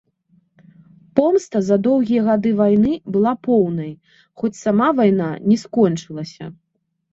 Помста за доўгія гады вайны была поўнай, хоць сама вайна не скончылася.